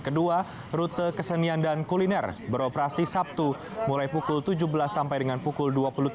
kedua rute kesenian dan kuliner beroperasi sabtu mulai pukul tujuh belas sampai dengan pukul dua puluh tiga